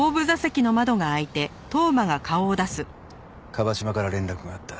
椛島から連絡があった。